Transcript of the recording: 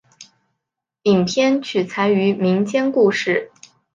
影片取材于民间故事。